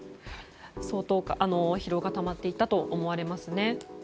相当、疲労がたまっていたと思われますね。